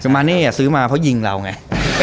คือมาเน่ซื้อมาเพราะยิงเราไง